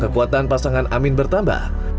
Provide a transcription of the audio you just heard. kekuatan pasangan amin bertambah